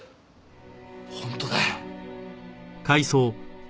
本当だよ。